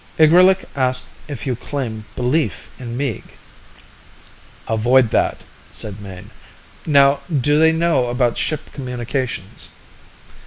Igrillik asks if you claim belief in Meeg." "Avoid that," said Mayne. "Now do they know about ship communications?"